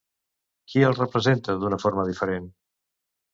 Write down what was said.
Qui el representa d'una forma diferent?